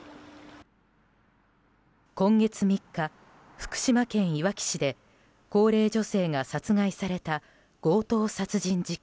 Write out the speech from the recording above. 今月３日、福島県いわき市で高齢女性が殺害された強盗殺人事件。